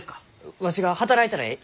わしが働いたらえい。